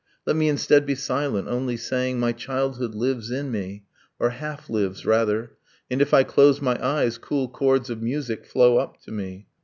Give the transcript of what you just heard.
Let me instead be silent, only saying : My childhood lives in me or half lives, rather And, if I close my eyes cool chords of music Flow up to me